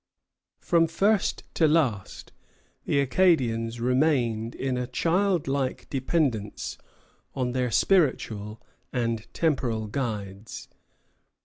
From first to last, the Acadians remained in a child like dependence on their spiritual and temporal guides.